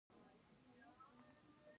په چپ غوږ خبرې مه کوه